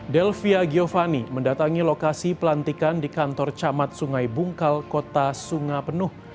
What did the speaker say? delvia giovanni mendatangi lokasi pelantikan di kantor camat sungai bungkal kota sungapenuh